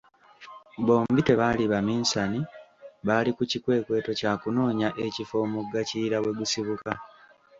Bombi tebaali Baminsani, baali ku kikwekweto kya kunoonya ekifo Omugga Kiyira we gusibuka.